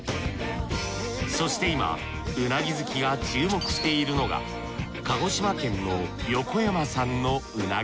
そして今うなぎ好きが注目しているのが鹿児島県の横山さんの鰻。